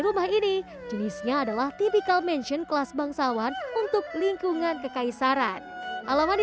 rumah ini jenisnya adalah tipikal mention kelas bangsawan untuk lingkungan kekaisaran alamat di